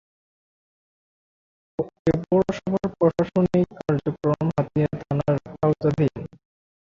এ পৌরসভার প্রশাসনিক কার্যক্রম হাতিয়া থানার আওতাধীন।